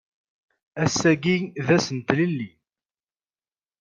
Ass-agi d ass n tlelli.